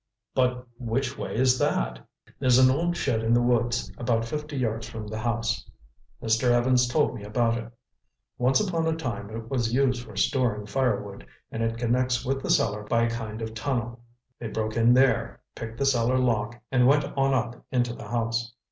"But which way is that?" "There's an old shed in the woods about fifty yards from the house. Mr. Evans told me about it. Once upon a time it was used for storing firewood, and it connects with the cellar by a kind of tunnel. They broke in there, picked the cellar lock, and went on up into the house."